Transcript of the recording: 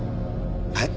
はい？